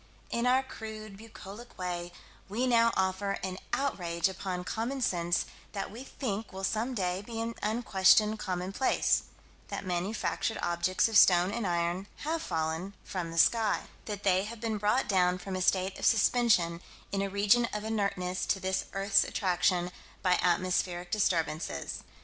In our crude, bucolic way, we now offer an outrage upon common sense that we think will some day be an unquestioned commonplace: That manufactured objects of stone and iron have fallen from the sky: That they have been brought down from a state of suspension, in a region of inertness to this earth's attraction, by atmospheric disturbances.